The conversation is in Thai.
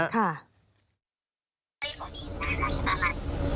ที่มันรู้อ่ะ